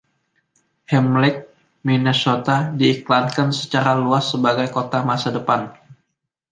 Ham Lake, Minnesota diiklankan secara luas sebagai kota masa depan.